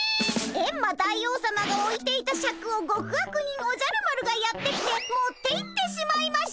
エンマ大王さまがおいていたシャクを極悪人おじゃる丸がやって来て持っていってしまいました！